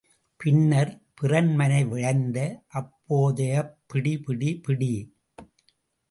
பின்னர், பிறன்மனை விழைந்த அப்பேதையைப் பிடி, பிடி, பிடி.